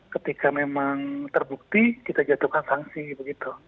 ketika memang terbukti kita jatuhkan sanksi begitu